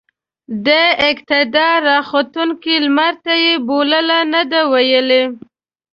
د اقتدار راختونکي لمرته يې بولـله نه ده ويلې.